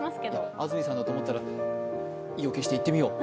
安住さんだと思ったら、意を決して言ってみよう。